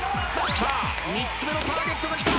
３つ目のターゲットが来た。